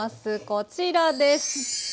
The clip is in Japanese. こちらです。